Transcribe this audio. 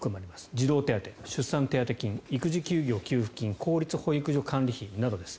児童手当、出産手当金育児休業給付金公立保育所管理費などです。